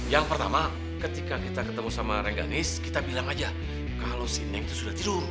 yang pertama ketika kita ketemu sama rengganis kita bilang aja kalau sineng itu sudah tidur